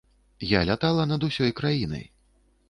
Я лятала над усёй краінай.